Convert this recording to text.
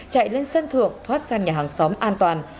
chạy lên sân thượng thoát sang nhà hàng xóm an toàn